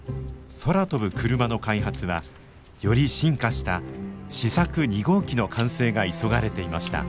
空飛ぶクルマの開発はより進化した試作２号機の完成が急がれていました。